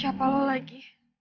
dia bukan siapa dua lo lagi